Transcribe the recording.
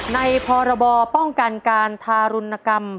พรบป้องกันการทารุณกรรม